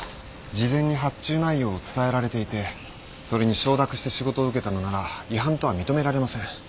事前に発注内容を伝えられていてそれに承諾して仕事を請けたのなら違反とは認められません。